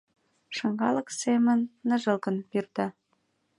Шыҥалык семын ныжылгын пӱрда.